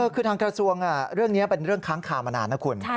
คือทางกระทรวงเรื่องนี้เป็นเรื่องค้างคามานานนะคุณ